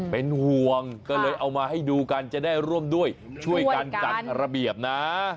เป็นห่วงก็เลยเอามาให้ดูกันจะได้ร่วมด้วยช่วยกันจัดระเบียบนะ